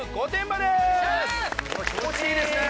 気持ちいいですねぇ。